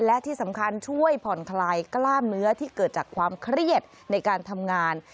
และที่สำคัญช่วยผ่อนคลายกล้ามเนื้อที่เกิดจากความเครียดในการทำงาน